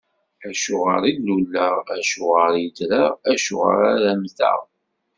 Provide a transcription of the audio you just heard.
Acuɣeṛ i d-luleɣ, acuɣeṛ i ddreɣ, acuɣeṛ ara mteɣ?